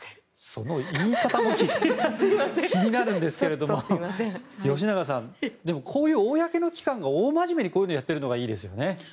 その言い方も気になるんですけど吉永さんでもこういう公の機関が大真面目にこういうのをやっているのがいいですよね。